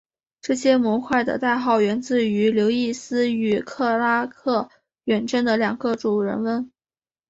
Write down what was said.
这些模块的代号源自于刘易斯与克拉克远征的两个主人翁。